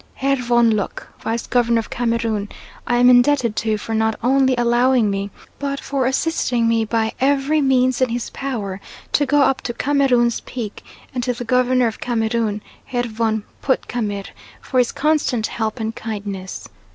Herr von Lucke, Vice governor of Cameroon, I am indebted to for not only allowing me, but for assisting me by every means in his power, to go up Cameroons Peak, and to the Governor of Cameroon, Herr von Puttkamer, for his constant help and kindness.